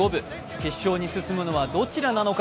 決勝に進むのはどちらなのか。